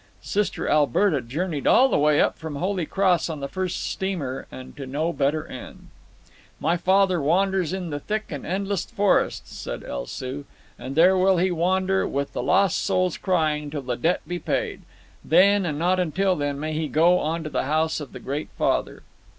Sister Alberta journeyed all the way up from Holy Cross on the first steamer, and to no better end. "My father wanders in the thick and endless forests," said El Soo. "And there will he wander, with the lost souls crying, till the debt be paid. Then, and not until then, may he go on to the house of the Great Father."